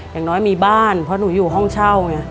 อย่างน้อยมีบ้านเพราะหนูอยู่ห้องเช่าไง